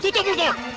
tutup lho bujang